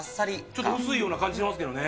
ちょっと薄いような感じしますけどね。